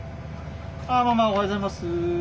あママおはようございます。